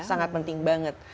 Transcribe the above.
sangat penting banget